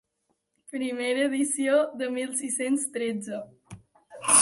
Primera edició de mil sis-cents tretze.